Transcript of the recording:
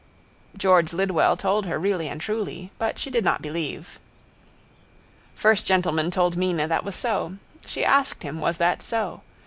George Lidwell told her really and truly: but she did not believe. First gentleman told Mina that was so. She asked him was that so.